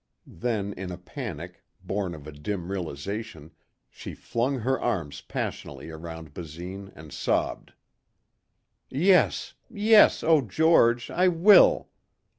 Then in a panic, born of a dim realization, she flung her arms passionately around Basine and sobbed. "Yes.... Yes.... Oh George.... I will...."